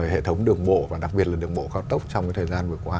hệ thống đường bộ và đặc biệt là đường bộ cao tốc trong thời gian vừa qua